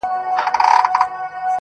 د خپلي خوښی سره سم -